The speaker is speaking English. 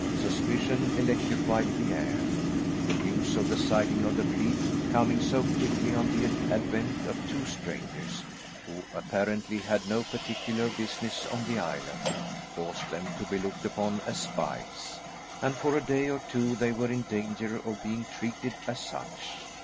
Suspicion electrified the air. The news of the sighting of the fleet, coming so quickly on the advent of two strangers, who apparently had no particular business on the island, caused them to be looked upon as spies, and for a day or two they were in danger of being treated as such.